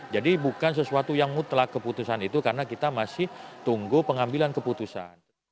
jadi bukan sesuatu yang mutlak keputusan itu karena kita masih tunggu pengambilan keputusan